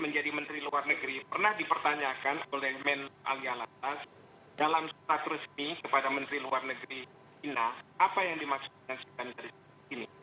menjadi menteri luar negeri pernah dipertanyakan oleh men alialatas dalam suatu resmi kepada menteri luar negeri china apa yang dimaksudkan dari sini